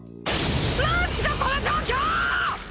何すかこの状況！